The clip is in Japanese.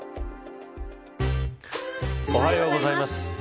おはようございます。